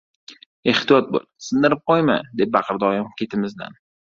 — Ehtiyot bo’l, sindirib qo‘yma! — deb baqirdi oyim ketimizdan.